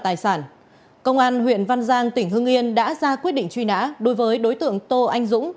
tài sản công an huyện văn giang tỉnh hưng yên đã ra quyết định truy nã đối với đối tượng tô anh dũng